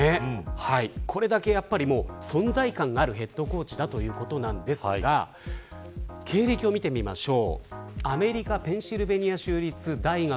これだけ存在感があるヘッドコーチだということなんですが経歴を見てみましょう。